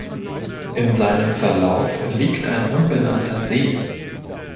In seinem Verlauf liegt ein unbenannter See.